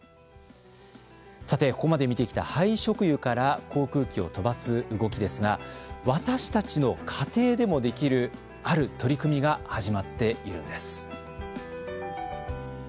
さてここまで見てきた廃食油から航空機を飛ばす動きですが私たちの家庭でもできるある取り組みが始まっているんです。